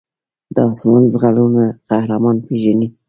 د آسونو ځغلولو قهرمان پېژني.